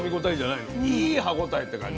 いい歯応えって感じ。